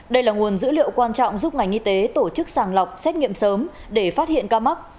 đây là nguồn dữ liệu quan trọng giúp ngành y tế tổ chức sàng lọc xét nghiệm sớm để phát hiện ca mắc